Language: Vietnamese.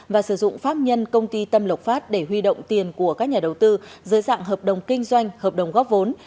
và sử dụng pháp nhân công ty tâm lộc phát để huy động tiền của các nhà đầu tư dưới dạng hợp đồng kinh doanh hợp đồng góp vốn